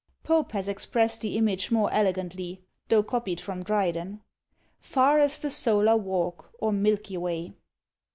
Pope has expressed the image more elegantly, though copied from Dryden, Far as the SOLAR WALK, or milky way.